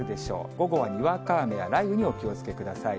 午後はにわか雨や雷雨にお気をつけください。